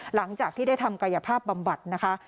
หลังจากที่ได้ทำกายภาพบำบัดนะคะ